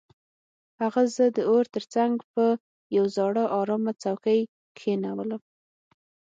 هغه زه د اور تر څنګ په یو زاړه ارامه څوکۍ کښینولم